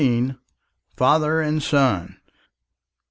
FATHER AND SON.